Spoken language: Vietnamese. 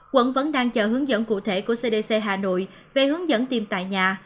quận vẫn đang chờ hướng dẫn cụ thể của cdc hà nội về hướng dẫn tìm tại nhà